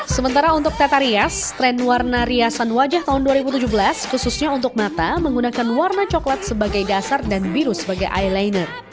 sementara untuk teta rias tren warna riasan wajah tahun dua ribu tujuh belas khususnya untuk mata menggunakan warna coklat sebagai dasar dan biru sebagai eyeliner